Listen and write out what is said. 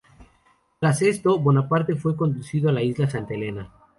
Tras esto, Bonaparte fue conducido a la isla Santa Elena.